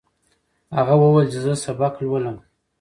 هغه وویل چې زه سبق لولم.